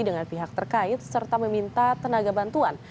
dengan pihak terkait serta meminta tenaga bantuan